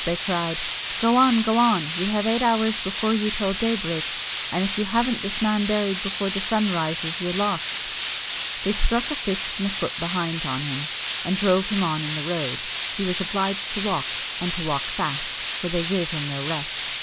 they all cried; "go on, go on, you have eight hours before you till daybreak, and if you haven't this man buried before the sun rises, you're lost." They struck a fist and a foot behind on him, and drove him on in the road. He was obliged to walk, and to walk fast, for they gave him no rest.